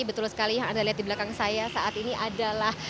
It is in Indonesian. betul sekali yang anda lihat di belakang saya saat ini adalah